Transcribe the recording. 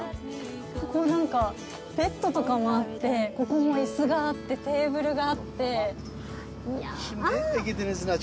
ここ、何か、ベットとかもあって、ここも椅子があって、テーブルがあって。